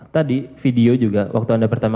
tadi video juga waktu anda pertama